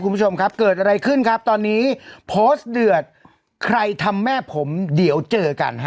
คุณผู้ชมครับเกิดอะไรขึ้นครับตอนนี้โพสต์เดือดใครทำแม่ผมเดี๋ยวเจอกันฮะ